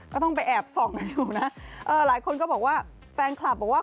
ก็ต้องไปแอบส่องกันอยู่นะเออหลายคนก็บอกว่าแฟนคลับบอกว่า